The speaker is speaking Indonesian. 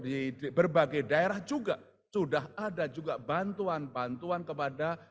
di berbagai daerah juga sudah ada juga bantuan bantuan kepada